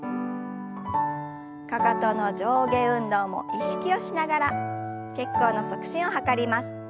かかとの上下運動も意識をしながら血行の促進を図ります。